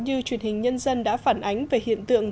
như truyền hình nhân dân đã phản ánh về hiện tượng